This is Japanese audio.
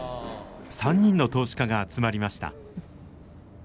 ３人の投資家が集まりました。